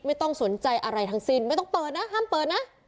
ไม่ต้องสนใจอะไรทั้งสิ้นไม่ต้องเปิดนะห้ามเปิดนะ